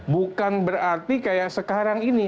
bukan berarti kayak sekarang ini